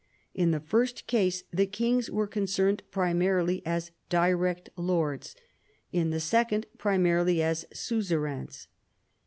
In the first case the kings were concerned primarily as direct lords, in the second primarily as suzerains.